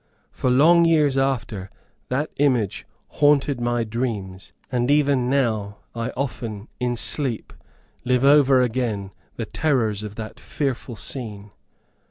For long years after, that image haunted my dreams, and even now I often, in sleep, live over again the terrors of that fearful scene.